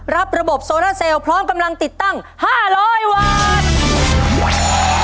รับระบบโซราเซลพร้อมกำลังติดตั้ง๕๐๐วัน